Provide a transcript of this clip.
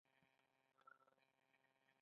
د غلو دانو بازار موندنه مهمه ده.